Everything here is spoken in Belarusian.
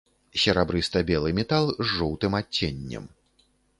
Серабрыста-белы метал з жоўтым адценнем.